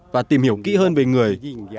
và tìm hiểu kỹ hơn về người